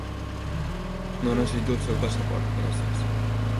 No necessito el seu passaport, gràcies.